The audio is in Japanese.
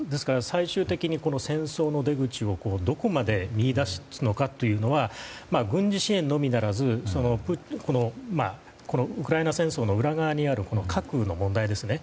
最終的にこの戦争の出口をどこまで見いだすのかというのは軍事支援のみならずウクライナ戦争の裏側にある核の問題ですね。